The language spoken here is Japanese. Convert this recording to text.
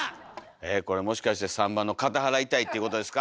えこれもしかして３番の片腹痛いっていうことですか？